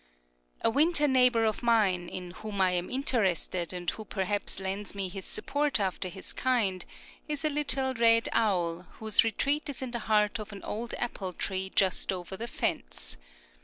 A winter neighbor of mine, in whom I am interested, and who perhaps lends me his support after his kind, is a little red owl, whose retreat is in the heart of an old apple tree just over the fence.